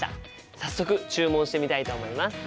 早速注文してみたいと思います。